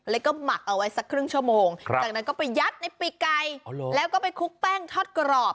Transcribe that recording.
แล้วก็หมักเอาไว้สักครึ่งชั่วโมงจากนั้นก็ไปยัดในปีกไก่แล้วก็ไปคลุกแป้งทอดกรอบ